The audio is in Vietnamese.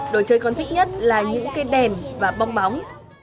đồ chơi còn thích nhất là những cây đèn và bong bóng